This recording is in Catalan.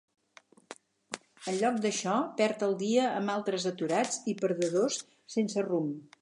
En lloc d'això, perd el dia amb altres aturats i "perdedors" sense rumb.